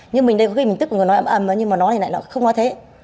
nhưng mình đây có khi mình tức mà nói ấm ấm nhưng mà nói này lại nó không nói thế